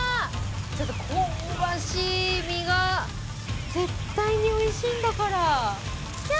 香ばしい身が絶対においしいんだから。